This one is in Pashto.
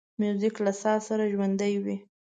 موزیک له ساز سره ژوندی وي.